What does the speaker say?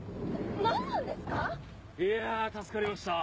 いや助かりました。